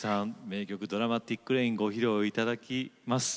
名曲「ドラマティック・レイン」ご披露頂きます。